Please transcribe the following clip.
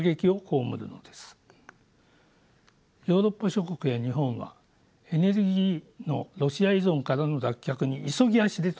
ヨーロッパ諸国や日本はエネルギーのロシア依存からの脱却に急ぎ足で取り組んでいます。